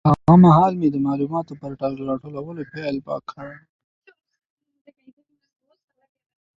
هغه مهال مي د معلوماتو په راټولولو پیل کړی و.